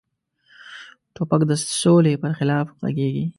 توپک د سولې پر خلاف غږیږي.